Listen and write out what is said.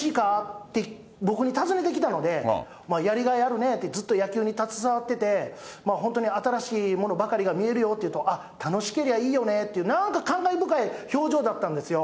って、僕に尋ねてきたので、やりがいあるねって、ずっと野球に携わってて、本当に新しいものばかりが見えるよって言うと、楽しけりゃいいよねって、なんか感慨深い表情だったんですよ。